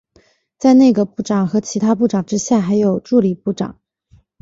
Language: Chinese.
在内阁部长和其他部长之下还有助理部长。